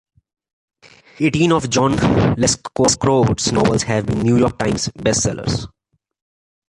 Eighteen of John Lescroart's novels have been "New York Times" Bestsellers.